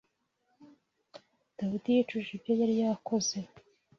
Dawidi yicujije ibyo yari yakoze